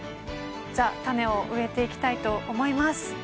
じゃあ種を植えていきたいと思います。